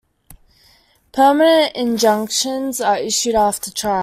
Permanent injunctions are issued after trial.